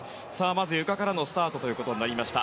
まず、ゆかからのスタートとなりました。